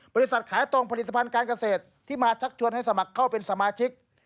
บริษัทขายตรงผลิตภัณฑ์การเกษตรที่มาชักชวนให้สมัครเข้าเป็นสมาชิก